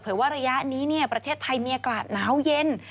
เผยว่าระยะนี้ประเทศไทยเมียกลาดน้าวเย็น